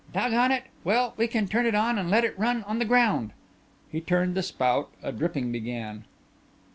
"Doggone it! Well, we can turn it on and let it run on the ground." He turned the spout; a dripping began.